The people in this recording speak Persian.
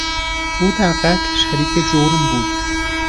او در قتل شریک جرم بود.